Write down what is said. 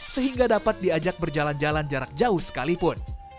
sehingga dapat diajak berjalan jalan jarak jauh sekalipun